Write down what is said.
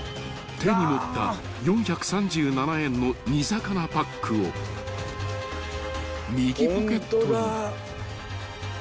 ［手に持った４３７円の煮魚パックを右ポケットに］